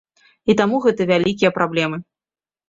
І таму гэта вялікія праблемы.